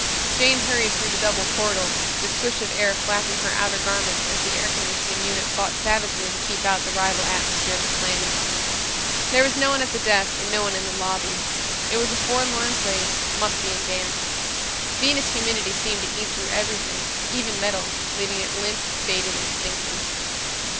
Jane hurried through the double portals, the swish of air flapping her outer garments as the air conditioning unit fought savagely to keep out the rival atmosphere of the planet. There was no one at the desk and no one in the lobby. It was a forlorn place, musty and damp. Venus humidity seemed to eat through everything, even metal, leaving it limp, faded, and stinking.